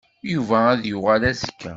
Yuba ad d-yuɣal azekka.